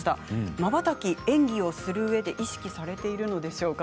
まばたき、演技をするうえで意識されているんでしょうか。